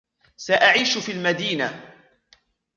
سأعيش في المدينة.